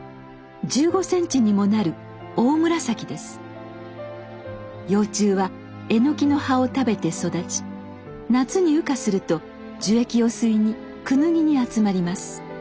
１５ｃｍにもなる幼虫はエノキの葉を食べて育ち夏に羽化すると樹液を吸いにクヌギに集まります。